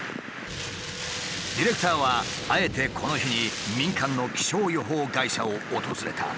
ディレクターはあえてこの日に民間の気象予報会社を訪れた。